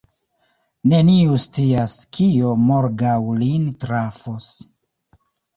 Neniu scias, kio morgaŭ lin trafos.